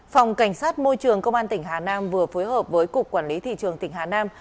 phòng cảnh sát môi trường công an tỉnh hà nam vừa phối hợp với cục quản lý thị trường tỉnh hà nam